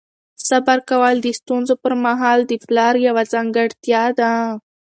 صبر کول د ستونزو پر مهال د پلار یوه ځانګړتیا ده.